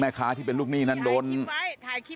แล้วป้าไปติดหัวมันเมื่อกี้แล้วป้าไปติดหัวมันเมื่อกี้